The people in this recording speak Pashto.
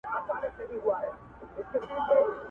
زهٔ دٙ خوشــــــــې مېرې ګل وم، دٙ خــزان بادونو يوړم